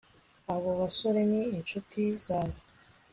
abo basore ni inshuti zawe